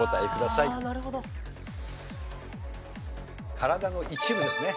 体の一部ですね。